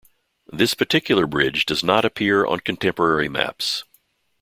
This particular bridge does not appear on contemporary maps.